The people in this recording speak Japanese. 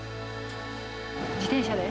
自転車で。